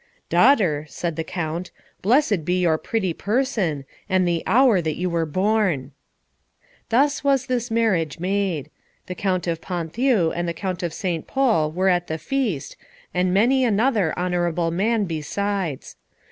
"Daughter," said the Count, "blessed be your pretty person, and the hour that you were born." Thus was this marriage made. The Count of Ponthieu and the Count of St. Pol were at the feast, and many another honourable man besides.